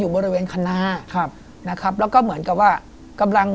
บริเวณคณะนะครับแล้วก็เหมือนกับว่า